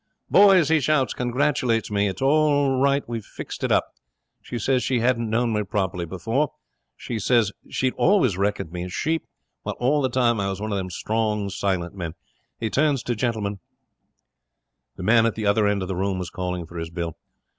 "Boys," he shouts, "congratulate me. It's all right. We've fixed it up. She says she hadn't known me properly before. She says she'd always reckoned me a sheep, while all the time I was one of them strong, silent men." He turns to Gentleman ' The man at the other end of the room was calling for his bill.